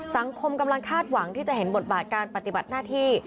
สังคมกำลังคาดหวังที่จะเห็นบทบาทการปฏิบัติหน้าที่